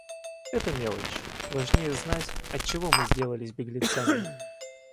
Это мелочь. Важнее знать, отчего мы сделались беглецами?